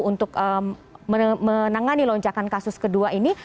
untuk menangani lonjakan kasus kedua ini